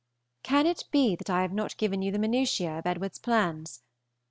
Can it be that I have not given you the minutiæ of Edward's plans?